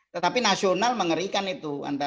tetapi nasional mengerikan itu